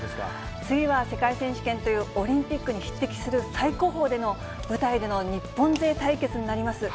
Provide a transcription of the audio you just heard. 次は、世界選手権という、オリンピックに匹敵する最高峰での舞台での日本勢対決になります。